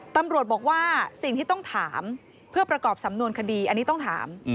ตำรวจบอกว่าสิ่งที่ต้องถามเพื่อประกอบสำนวนคดีอันนี้ต้องถาม